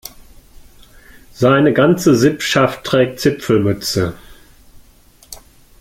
Seine ganze Sippschaft trägt Zipfelmütze.